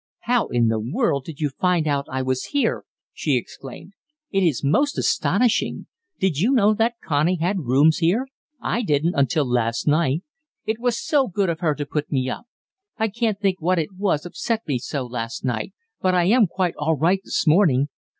"How in the world did you find out I was here!" she exclaimed. "It is most astonishing. Did you know that Connie had rooms here? I didn't, until last night. It was so good of her to put me up. I can't think what it was upset me so last night, but I am quite all right this morning.